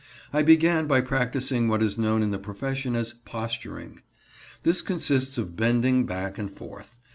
I began by practicing what is known in the profession as posturing. This consists of bending back and forth.